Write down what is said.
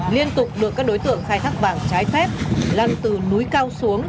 liên tục được các đối tượng khai thác vàng trái phép lăn từ núi cao xuống